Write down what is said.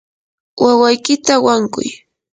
wawaykita wankuy.